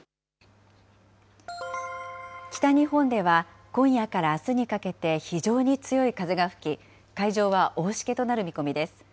北日本では、今夜からあすにかけて、非常に強い風が吹き、海上は大しけとなる見込みです。